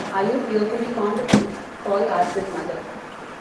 “Are you fearfully fond of him?” Paul asked his mother.